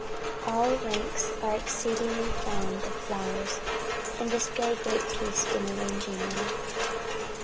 All ranks are exceedingly fond of flowers, and display great taste in arranging them.